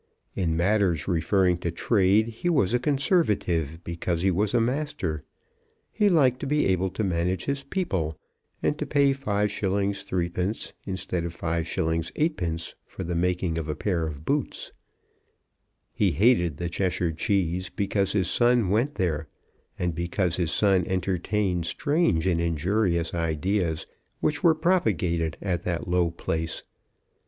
In matters referring to trade he was a Conservative, because he was a master. He liked to be able to manage his people, and to pay 5_s._ 3_d._ instead of 5_s._ 8_d._ for the making of a pair of boots. He hated the Cheshire Cheese because his son went there, and because his son entertained strange and injurious ideas which were propagated at that low place.